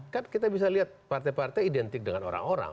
kan kita bisa lihat partai partai identik dengan orang orang